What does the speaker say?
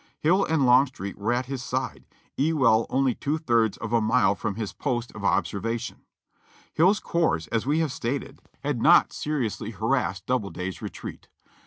Hill and Longstreet were at his side, Ewell only two thirds of a mile from his post of observa tion. Hill's corps, as we have stated, had not seriously harassed 396 JOHNNY REB AND BIIXY YANK Doiibleday's retreat.